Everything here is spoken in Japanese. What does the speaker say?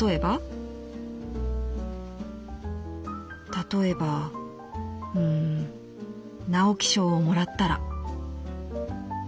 「たとえばうーん直木賞をもらったら」。